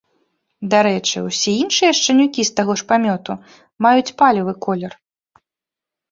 Дарэчы, усе іншыя шчанюкі з таго ж памёту маюць палевы колер.